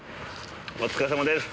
お疲れさまです。